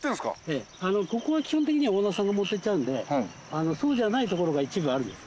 ええここは基本的にオーナーさんが持ってっちゃうんでそうじゃないところが一部あるんです。